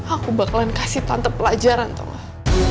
aku bakalan kasih tante pelajaran tuh gak